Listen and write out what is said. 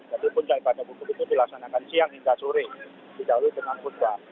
jadi punca ibadah wukuk itu dilaksanakan siang hingga sore di dahulu dengan hutbah